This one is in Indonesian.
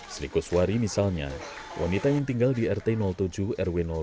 selikuswari misalnya wanita yang tinggal di rt tujuh rw dua